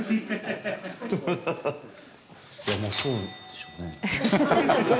いや、もう、そうでしょうね。